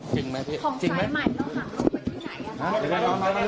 จริงไหมจริงไหม